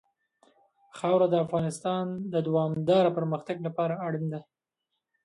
خاوره د افغانستان د دوامداره پرمختګ لپاره اړین دي.